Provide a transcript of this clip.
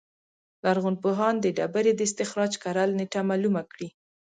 لرغونپوهان د ډبرې د استخراج کره نېټه معلومه کړي.